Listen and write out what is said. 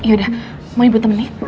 yaudah mau ibu temenin